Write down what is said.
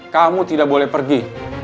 kamu tidak boleh pergi